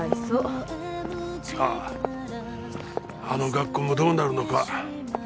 あの学校もどうなるのか。